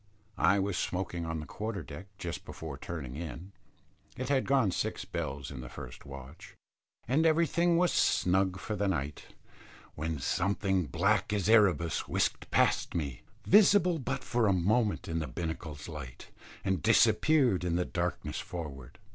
I was smoking on the quarter deck just before turning in, it had gone six bells in the first watch, and everything was snug for the night, when something black as Erebus whisked past me, visible but for a moment in the binnacle's light, and disappeared in the darkness forward.